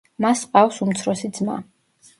მას ჰყავს უმცროსი ძმა.